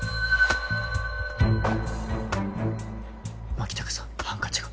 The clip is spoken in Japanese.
牧高さんハンカチが。